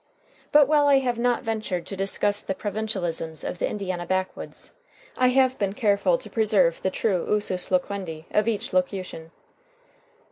But while I have not ventured to discuss the provincialisms of the Indiana backwoods, I have been careful to preserve the true usus loquendi of each locution.